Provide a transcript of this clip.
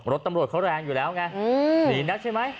รถตำรวจเขาแรงอยู่แล้วไงหนีนักใช่ไหม